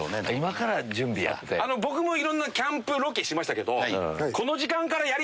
僕もいろんなキャンプロケしましたけど。